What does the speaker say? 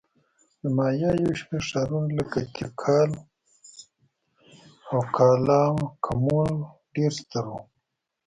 د مایا یو شمېر ښارونه لکه تیکال او کالاکمول ډېر ستر وو